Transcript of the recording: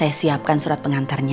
saya siapkan surat pengantarnya